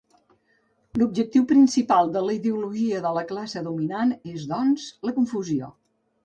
L'objectiu principal de la ideologia de la classe dominant és, doncs, la confusió.